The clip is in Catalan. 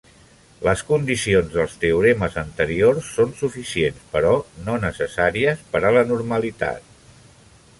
Les condicions dels teoremes anteriors són suficient, però no necessàries per a la normalitat.